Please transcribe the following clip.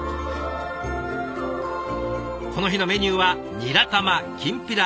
この日のメニューはにら玉きんぴら